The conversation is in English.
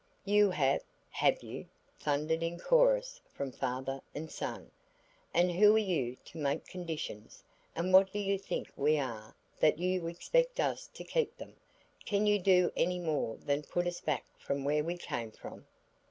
"You have, have you," thundered in chorus from father and son. "And who are you to make conditions, and what do you think we are that you expect us to keep them? Can you do anymore than put us back from where we came from?"